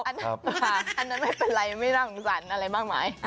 อันนั้นไม่เป็นไรไม่น่าขนสรรอะไรบ้างมาย